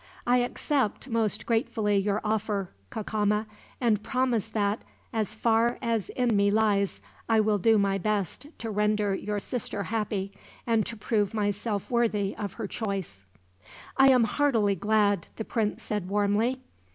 "I accept most gratefully your offer, Cacama, and promise that, so far as in me lies, I will do my best to render your sister happy, and to prove myself worthy of her choice." "I am heartily glad," the prince said warmly.